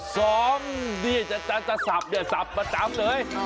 ซ้อมสับสับประจำเลย